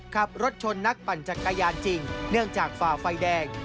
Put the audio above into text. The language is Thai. ขับรถชนนักปั่นจักรยานจริงเนื่องจากฝ่าไฟแดง